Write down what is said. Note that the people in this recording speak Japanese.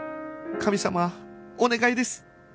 神様お願いです！